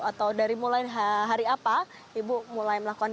atau dari mulai hari apa ibu mulai melakukan